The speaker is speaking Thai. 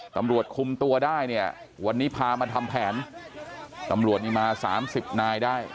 ตำรวจคุมตัวได้เนี่ยวันนี้พามาทำแผนตำรวจนี่มา๓๐นายได้